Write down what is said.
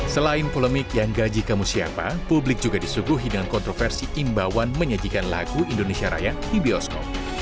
selain polemik yang gaji kamu siapa publik juga disuguhi dengan kontroversi imbauan menyajikan lagu indonesia raya di bioskop